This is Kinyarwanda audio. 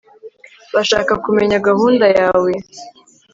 bashaka kumenya gahunda yawe